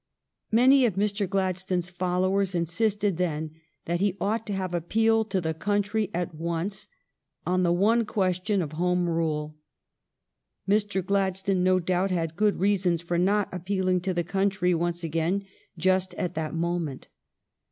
Many of Mr. Gladstone's followers insisted then that he ought to have appealed to the country at once on the one question of Home Rule. Mr. Gladstone, no doubt, had good reasons for not appealing to the country once again just at that moment.